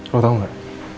lo tau gak